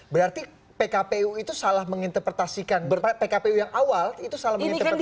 berarti pkpu itu salah menginterpretasikan pkpu yang awal itu salah menginterpretasikan